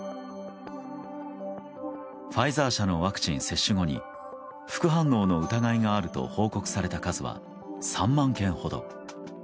ファイザー社のワクチン接種後に副反応の疑いがあると報告された数は３万件ほど。